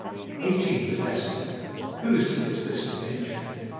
142 EIGHTEENTH LESSON. *« Whose is this image?